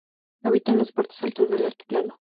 Habita en las partes altas del altiplano.